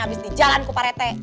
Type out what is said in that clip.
habis dijalanku para etek